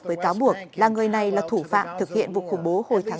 với cáo buộc là người này là thủ phạm thực hiện vụ khủng bố hồi trước